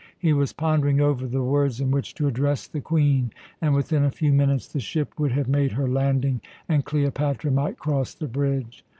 He was pondering over the words in which to address the Queen, and within a few minutes the ship would have made her landing, and Cleopatra might cross the bridge.